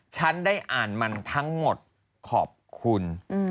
ฉันได้อ่านมันทั้งหมดขอบคุณ